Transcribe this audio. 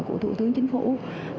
của thủ tướng chính phủ